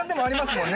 もんね